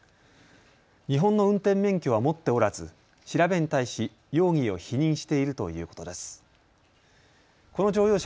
日本の運転免許は持っておらず調べに対し容疑を否認しているということです。